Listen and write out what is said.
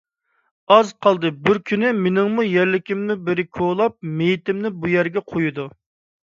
ئاز قالدى، بىر كۈنى مېنىڭمۇ يەرلىكىمنى بىرى كولاپ، مېيىتىمنى بۇ يەرگە قويىدۇ.